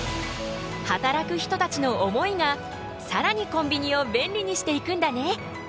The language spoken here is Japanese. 働く人たちの思いがさらにコンビニを便利にしていくんだね。